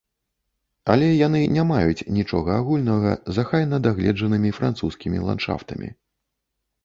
Але яны не маюць нічога агульнага з ахайна-дагледжанымі французскімі ландшафтамі.